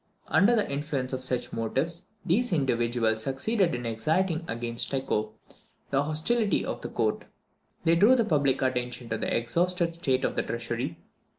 Under the influence of such motives, these individuals succeeded in exciting against Tycho the hostility of the court. They drew the public attention to the exhausted state of the treasury.